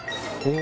え